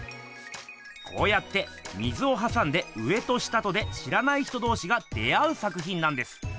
こうやって水をはさんで上と下とで知らない人どうしが出会う作ひんなんです。